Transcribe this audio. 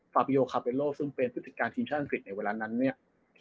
ฟาบิโยคาเบโลซึ่งเป็นผู้จัดการทีมชาติอังกฤษในเวลานั้นเนี่ย